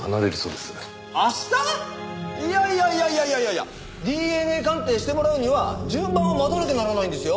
いやいやいやいやいやいやいやＤＮＡ鑑定してもらうには順番を待たなきゃならないんですよ。